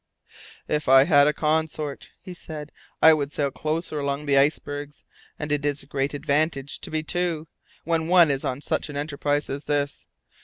"If I had a consort," he said, "I would sail closer along the icebergs, and it is a great advantage to be two, when one is on such an enterprise as this!